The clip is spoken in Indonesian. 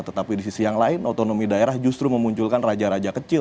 tetapi di sisi yang lain otonomi daerah justru memunculkan raja raja kecil